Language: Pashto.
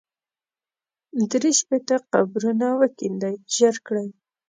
درې شپېته قبرونه وکېندئ ژر کړئ.